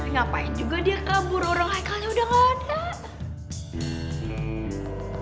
ngapain juga dia kabur orang haikalnya udah gak ada